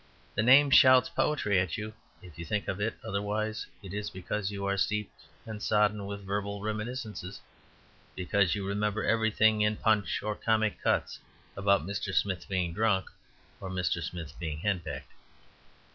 The name shouts poetry at you. If you think of it otherwise, it is because you are steeped and sodden with verbal reminiscences, because you remember everything in Punch or Comic Cuts about Mr. Smith being drunk or Mr. Smith being henpecked.